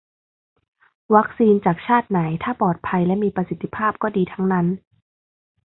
วัคซีนจากชาติไหน ถ้าปลอดภัยและมีประสิทธิภาพ ก็ดีทั้งนั้น